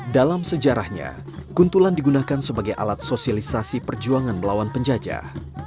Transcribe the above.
dalam sejarahnya kuntulan digunakan sebagai alat sosialisasi perjuangan melawan penjajah